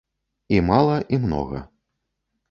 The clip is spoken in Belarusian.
І мала, і многа.